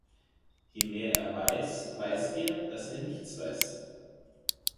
Je mehr er weiß, weiß er, daß er nichts weiß.